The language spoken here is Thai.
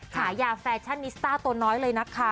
ฉายาแฟชั่นนิสต้าตัวน้อยเลยนะคะ